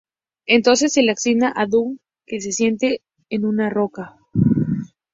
Entonces se le asigna a Dug que se siente en una roca.